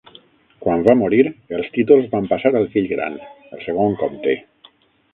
Quan va morir, els títols van passar al fill gran, el segon comte.